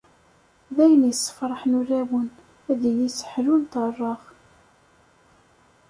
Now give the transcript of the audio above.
D ayen yessefṛaḥen ulawen, ad iyi-seḥlu nṭerreɣ.